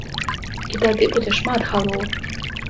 І тады будзе шмат галоў.